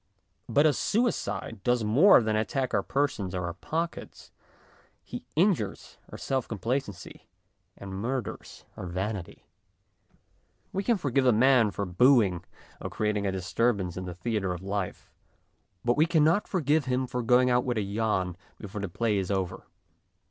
But a suicide does more than attack our persons or our pockets ; he injures our self complacency and murders our vanity. We can forgive a man for boo ing or creating a disturbance in the theatre of life, but we cannot forgive him for going out with a yawn before the play is over.